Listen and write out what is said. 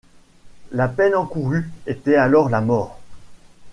La peine encourue était alors la mort.